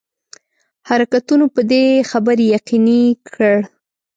حرکتونو په دې خبري یقیني کړ.